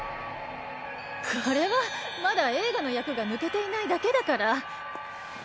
これはまだ映画の役がぬけていないだけだから。